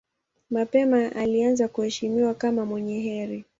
Mapema alianza kuheshimiwa kama mwenye heri.